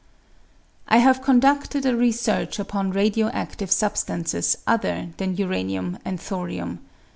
I have conduded a research upon radio adive substances other than uranium and thorium.